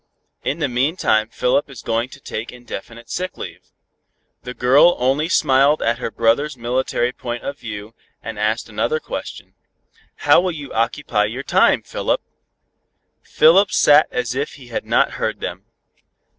In the meantime Philip is going to take indefinite sick leave." The girl only smiled at her brother's military point of view, and asked another question. "How will you occupy your time, Philip?" Philip sat as if he had not heard them.